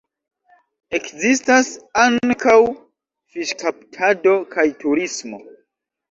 Ekzistas ankaŭ fiŝkaptado kaj turismo.